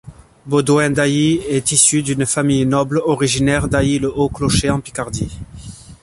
Baudouin d'Ailly est issu d'une famille noble originaire d'Ailly-le-Haut-Clocher, en Picardie.